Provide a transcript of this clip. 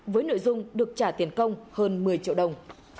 với nội dung được trả tiền công hơn một mươi triệu đồng